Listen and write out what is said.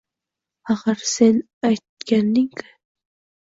Axir, sen aytgandingki